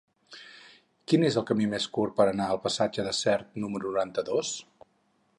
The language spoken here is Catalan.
Quin és el camí més curt per anar al passatge de Sert número noranta-dos?